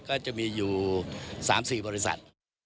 ก็จะมีอยู่๓๔บริษัท